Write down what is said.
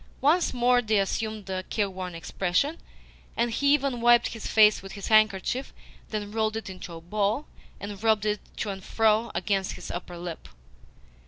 Once more they assumed a careworn expression, and he even wiped his face with his handkerchief, then rolled it into a ball, and rubbed it to and fro against his upper lip.